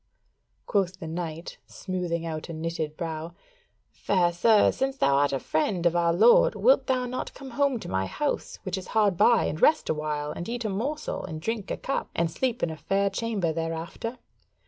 Quoth the knight, smoothing out a knitted brow: "Fair sir, since thou art a friend of our lord, wilt thou not come home to my house, which is hard by, and rest awhile, and eat a morsel, and drink a cup, and sleep in a fair chamber thereafter?"